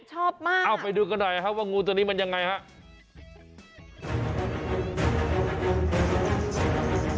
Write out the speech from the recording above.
ชอบมากเอาไปดูกันหน่อยครับว่างูตัวนี้มันยังไงครับ